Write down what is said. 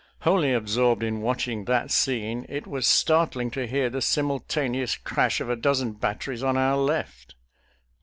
Wholly absorbed in watching that scene, it was startling to hear the simultaneous crash of a dozen batteries on our left.